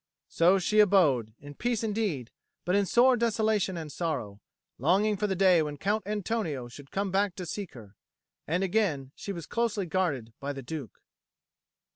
So she abode, in peace indeed, but in sore desolation and sorrow, longing for the day when Count Antonio should come back to seek her. And again was she closely guarded by the Duke.